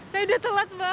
saya udah telat maaf ya mbak